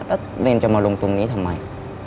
แล้วเนรจะมาลงตรงนี้ทำไม